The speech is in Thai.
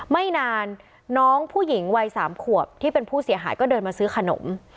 ไม่นานน้องผู้หญิงวัย๓ขวบที่เป็นผู้เสียหายก็เดินมาซื้อขนม